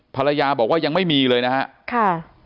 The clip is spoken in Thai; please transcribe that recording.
ภรรยาบอกว่ายังไม่มีเลยนะครับ